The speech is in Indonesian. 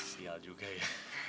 sial juga ya